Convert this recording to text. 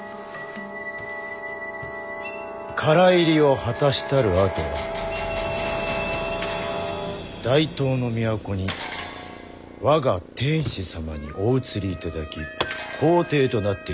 唐入りを果たしたるあとは大唐の都に我が天子様にお移りいただき皇帝となっていただく。